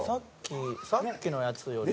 さっきのやつより。